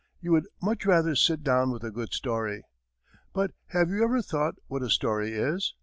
You would much rather sit down with a good story. But have you ever thought what a story is?